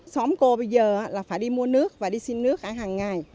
xóm cô bây giờ là phải đi mua nước và đi xin nước hàng ngày